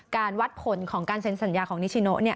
การวัดผลของการเซ็นสัญญาของนิชิโน